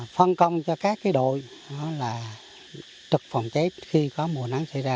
phân công cho các đội trực phòng cháy khi có mùa nắng xảy ra